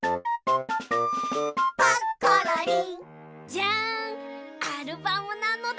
じゃんアルバムなのだ。